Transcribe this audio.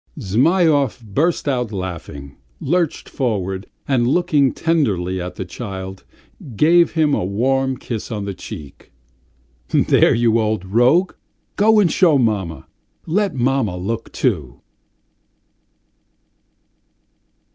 Zhmyhov burst out laughing, lurched forward, and, looking tenderly at the child, gave him a warm kiss on the cheek. "There, you rogue, go and show mamma; let mamma look too."